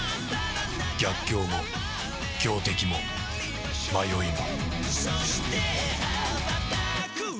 逆境も強敵も迷いも